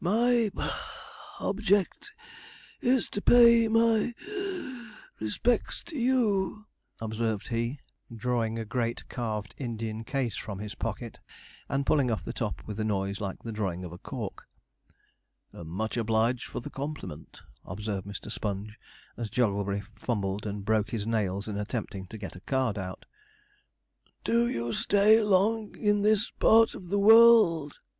'My (puff) object is to pay my (wheeze) respects to you,' observed he, drawing a great carved Indian case from his pocket, and pulling off the top with a noise like the drawing of a cork. 'Much obliged for the compliment,' observed Mr. Sponge, as Jogglebury fumbled and broke his nails in attempting to get a card out. 'Do you stay long in this part of the world?'